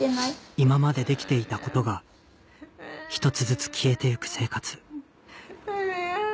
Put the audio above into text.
今までできていたことが１つずつ消えてゆく生活飲めない。